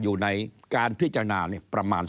ก็จะมาจับทำเป็นพรบงบประมาณ